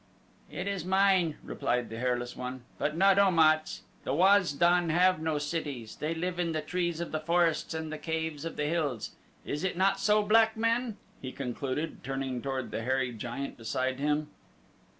"It is mine," replied the hairless one; "but not Om at's. The Waz don have no cities they live in the trees of the forests and the caves of the hills is it not so, black man?" he concluded, turning toward the hairy giant beside him.